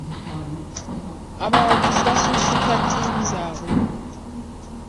Abawagizi basuusuuta ttiimu zaabwe.